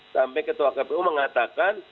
sampai ketua kpu mengatakan